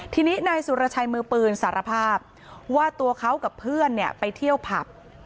ทีนี้นายสุรชัยมือปืนสารภาพว่าตัวเขากับเพื่อนไปเที่ยวผับ